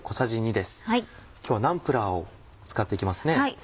今日はナンプラーを使っていきますね。